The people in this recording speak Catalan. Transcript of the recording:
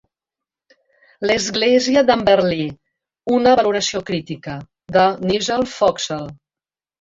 "L'església d'Amberley: una valoració crítica", de Nigel Foxell.